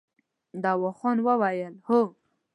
داوود خان وويل: هو!